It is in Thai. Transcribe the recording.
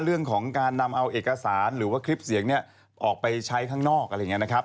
เรื่องของการนำเอาเอกสารหรือว่าคลิปเสียงเนี่ยออกไปใช้ข้างนอกอะไรอย่างนี้นะครับ